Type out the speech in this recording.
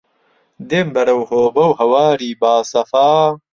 دێم بەرەو هۆبە و هەواری باسەفا